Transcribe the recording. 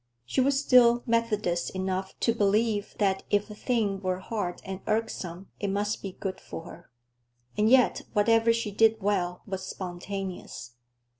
She was still Methodist enough to believe that if a thing were hard and irksome, it must be good for her. And yet, whatever she did well was spontaneous.